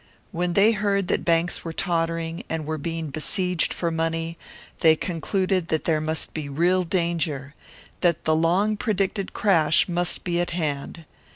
When they heard that banks were tottering, and were being besieged for money, they concluded that there must be real danger that the long predicted crash must be at hand.